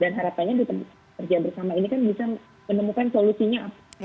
dan harapannya kerja bersama ini bisa menemukan solusinya